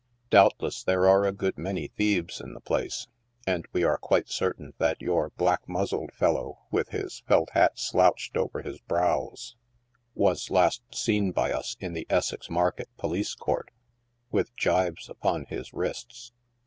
Doubtless there are a good many thieves in the place, and we are quite certain that your black muzzled fel low with his felt hat slouched over his brows, was last seen by us in Essex Market police court, " with gyves upon his wrists."